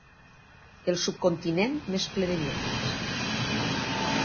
El subcontinent més ple de llengües.